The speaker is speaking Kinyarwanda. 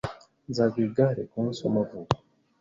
Nzaguha igare kumunsi wamavuko.